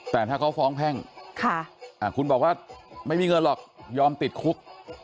แต่ถ้าเขาฟ้องแพ่งคุณบอกว่าไม่มีเงินหรอกยอมติดคุก